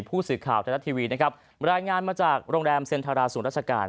ผู้สื่อข่าวไทยรัฐทีวีนะครับรายงานมาจากโรงแรมเซ็นทราศูนย์ราชการ